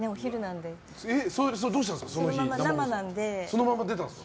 どうしたんですか？